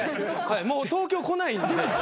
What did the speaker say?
もう東京来ないんで。